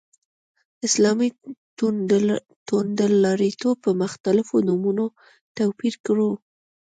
اسلامي توندلاریتوب په مختلفو نومونو توپير کړو.